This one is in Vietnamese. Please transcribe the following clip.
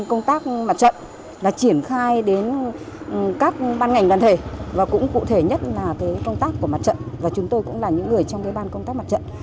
công tác mặt trận là triển khai đến các ban ngành đoàn thể và cũng cụ thể nhất là công tác của mặt trận và chúng tôi cũng là những người trong ban công tác mặt trận